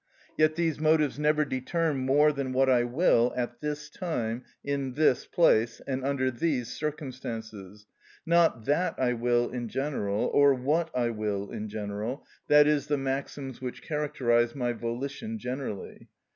Yet these motives never determine more than what I will at this time, in this place, and under these circumstances, not that I will in general, or what I will in general, that is, the maxims which characterise my volition generally.